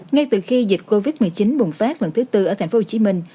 ngay từ khi dịch covid một mươi chín bùng phát lần thứ tư ở thành phố hồ chí minh